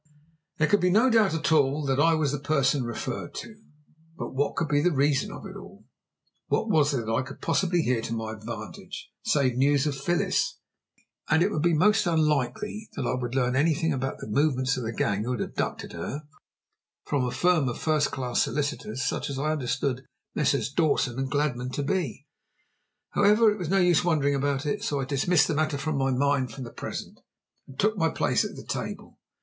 There could be no doubt at all that I was the person referred to; but what could be the reason of it all? What was there that I could possibly hear to my advantage, save news of Phyllis, and it would be most unlikely that I would learn anything about the movements of the gang who had abducted her from a firm of first class solicitors such as I understood Messrs. Dawson & Gladman to be. However, it was no use wondering about it, so I dismissed the matter from my mind for the present, and took my place at the table.